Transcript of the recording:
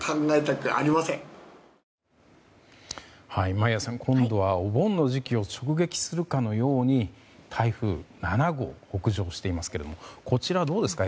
眞家さん、今度はお盆の時期を直撃するかのように台風７号が北上していますけれどもこちらはどうですか